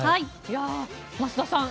増田さん